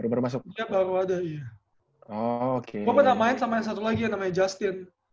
iya baru ada gue pernah main sama yang satu lagi yang namanya justin